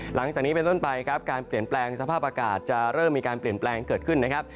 หลังจากนี้เป็นต้นไปครับการเปลี่ยนแปลงสภาพอากาศจะเริ่มมีการเปลี่ยนแปลงเกิดขึ้นนะครับ